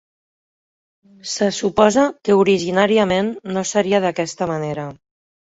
Se suposa que originàriament no seria d'aquesta manera.